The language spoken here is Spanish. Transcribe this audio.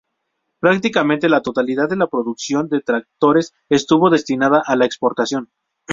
Prácticamente la totalidad de la producción de tractores estuvo destinada a la exportación.